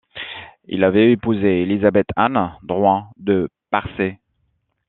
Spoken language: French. Il avait épousé Élisabeth Anne Drouin de Parçay.